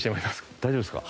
大丈夫ですか？